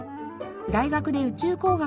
大学で宇宙工学を学び